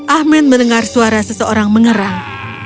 ahmed mendengar suara seseorang mengerang